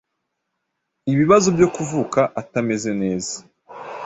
ibibazo byo kuvuka atameze neza